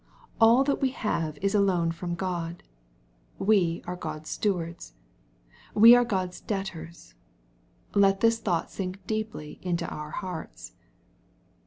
All that we have is a loan from G od. We are God's stewards. We are God's debtors. Let this thought sink deeply into our hearts.